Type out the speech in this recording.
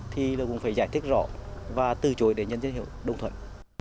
thì cũng phải giải thích rõ và từ chối đến nhân dân hiệu đồng thuận